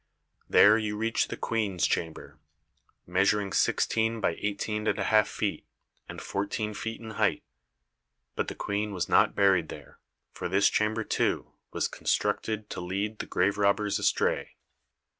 There you reach the queen's chamber, measuring sixteen by eighteen and a half feet, and fourteen feet in height. But the queen was not buried there, for this chamber, too, was con structed to lead the grave robbers astray.